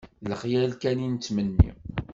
D lexyal kan i d-nettmenni